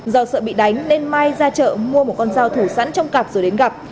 do sợ bị đánh nên mai ra chợ mua một con dao thủ sẵn trong cặp rồi đến gặp